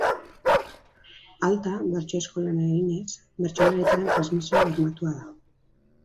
Alta, bertso eskolen eraginez, bertsolaritzaren transmisioa bermatua da.